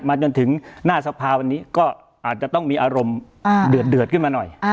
จนถึงหน้าสภาวันนี้ก็อาจจะต้องมีอารมณ์เดือดขึ้นมาหน่อย